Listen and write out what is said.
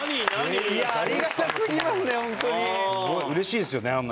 うれしいですよね